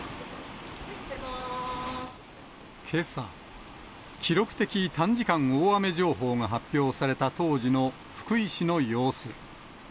けさ、記録的短時間大雨情報が発表された当時の福井市の様子。